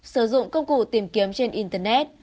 sử dụng công cụ tìm kiếm trên internet